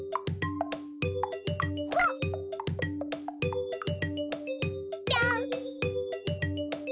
ほっぴょん。